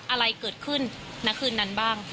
อะไรเกิดขึ้นณคืนนั้นบ้าง